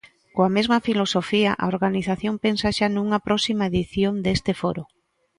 Coa mesma filosofía, a organización pensa xa nunha próxima edición deste foro.